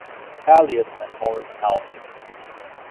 Eliot and Maurice Elvey.